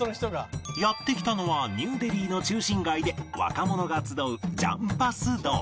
やって来たのはニューデリーの中心街で若者が集うジャンパス通り